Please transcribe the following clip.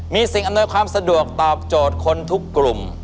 มีสิ่งอำนวยความสะดวกตอบโจทย์คนทุกกลุ่ม